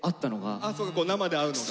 そうか生で会うのが。